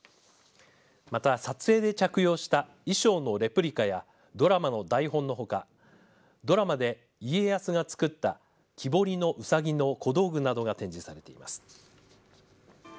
また、撮影で着用した衣装のレプリカやドラマの台本のほかドラマで家康が作った木彫りのうさぎの小道具などが展示されています。